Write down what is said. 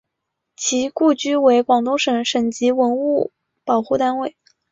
其故居为广东省省级文物保护单位。